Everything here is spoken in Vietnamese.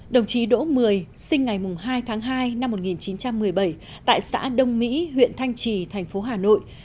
đồng chí đỗ mười sinh ngày hai tháng hai năm một nghìn chín trăm một mươi bảy tại xã đông mỹ huyện thanh trì thành phố hà nội